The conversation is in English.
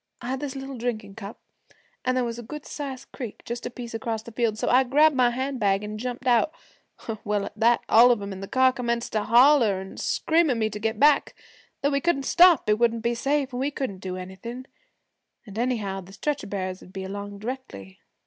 I had this little drinkin' cup, an' there was a good sized creek just a piece across the field, so I grabbed my hand bag an' jumped out. Well, at that all of 'em in the car commenced to holler an' scream at me to get back, that we couldn't stop it wouldn't be safe an' we couldn't do anything, an' anyhow the stretcher bearers would be along d'rectly.